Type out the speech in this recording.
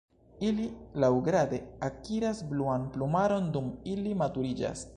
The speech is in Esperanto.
Ili laŭgrade akiras bluan plumaron dum ili maturiĝas.